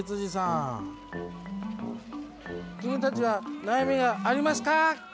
君たちは悩みがありますか？